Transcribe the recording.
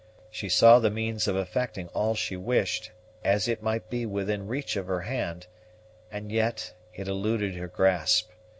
She saw the means of effecting all she wished, as it might be within reach of her hand, and yet it eluded her grasp.